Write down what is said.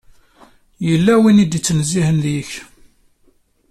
Yella win i d-ittnezzihen deg-k.